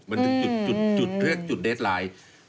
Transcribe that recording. มันจะจุดเลือกจุดเดสไลน์